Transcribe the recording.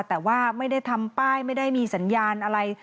แต่ว่าไม่ได้ทำป้ายไม่ได้มีสัญญาณอะไร